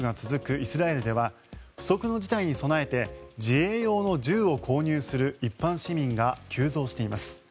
イスラエルでは不測の事態に備えて自衛用の銃を購入する一般市民が急増しています。